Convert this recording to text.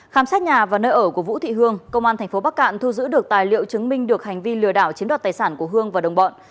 khám xét nhà và nơi ở của vũ thị hương công an tp bắc cạn thu giữ được tài liệu chứng minh được hành vi lừa đảo chiếm đoạt tài sản của hương và đồng bọn